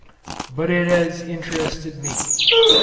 but it has interested me.